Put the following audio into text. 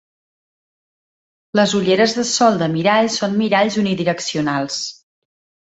Les ulleres de sol de mirall són miralls unidireccionals.